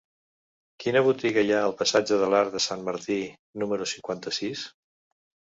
Quina botiga hi ha al passatge de l'Arc de Sant Martí número cinquanta-sis?